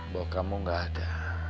bahwa kamu gak ada